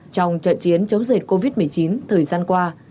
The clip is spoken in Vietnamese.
trong trận chiến chống dịch covid một mươi chín thời gian qua